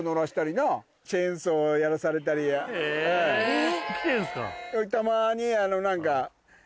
へぇ来てんすか。